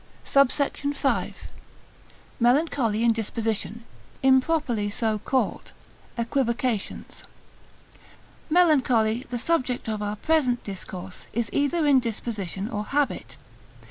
SUBSECT. V.—Melancholy in Disposition, improperly so called, Equivocations. Melancholy, the subject of our present discourse, is either in disposition or habit.